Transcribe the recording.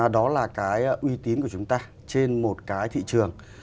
đó là cái uy tín của chúng ta trên một cái thị trường